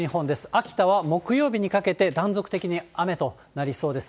秋田は木曜日にかけて断続的に雨となりそうです。